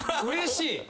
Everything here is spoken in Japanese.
うれしい！